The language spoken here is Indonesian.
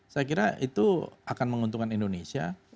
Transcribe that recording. saya kira itu akan menguntungkan indonesia